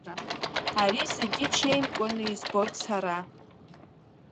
Ари зегьы ҽеимкәаны избоит сара.